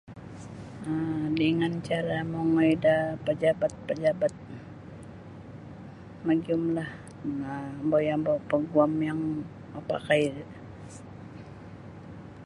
um dengan cara mongoi da pejabat-pejabat magiyum dah ma ombo-yombo paguam yang mapakai ri.